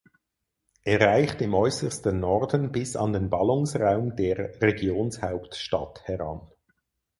Er reicht im äußersten Norden bis an den Ballungsraum der Regionshauptstadt heran.